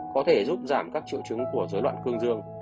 có thể giúp giảm các triệu chứng của giới đoạn cương dương